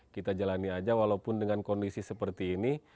kita jalani aja walaupun dengan kondisi seperti ini